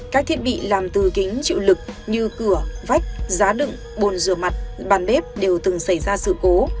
các thiết bị làm từ kính chịu lực như cửa vách giá đựng bồn rửa mặt bàn bếp đều từng xảy ra sự cố